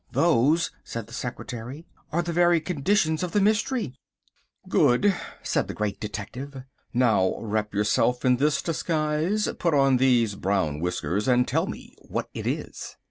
"Those," said the secretary, "are the very conditions of the mystery." "Good," said the Great Detective, "now wrap yourself in this disguise, put on these brown whiskers and tell me what it is."